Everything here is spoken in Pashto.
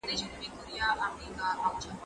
ته ولي ځواب ليکې!.